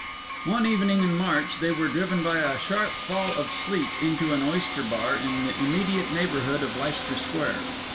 One evening in March they were driven by a sharp fall of sleet into an Oyster Bar in the immediate neighbourhood of Leicester Square.